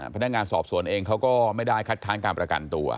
พนักงานสอบสวนเองเขาก็ไม่ได้คัดค้านการประกันตัว